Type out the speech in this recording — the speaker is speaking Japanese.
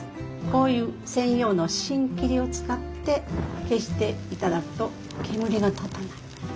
こういう専用の芯切りを使って消していただくと煙が立たない。